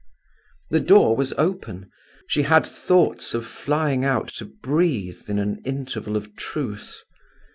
The door was open. She had thoughts of flying out to breathe in an interval of truce.